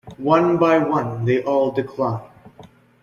One by one they all decline.